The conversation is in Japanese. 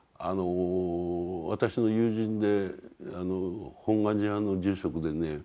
私の友人で本願寺派の住職でね